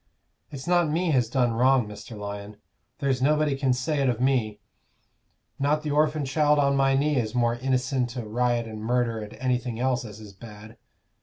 It's not me has done wrong, Mr. Lyon; there's nobody can say it of me not the orphan child on my knee is more innicent o' riot and murder and anything else as is bad.